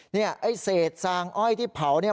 เนี่ยไอ้เศษทรางอ้อยที่เผาเนี่ย